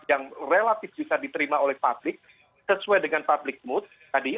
yang relatif bisa diterima oleh publik sesuai dengan public mood tadi